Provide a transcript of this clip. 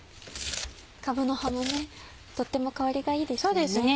かぶの葉もとっても香りがいいですよね。